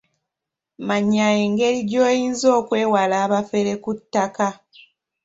Manya engeri gy’oyinza okwewala abafere ku ttaka.